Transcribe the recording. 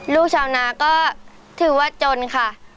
ลูกชาวนาก็ถือว่าจนค่ะ